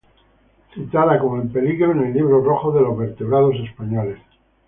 Citada como "En Peligro" en el Libro Rojo de los Vertebrados Españoles.